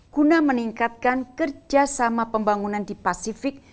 guna meningkatkan kerjasama pembangunan di pasifik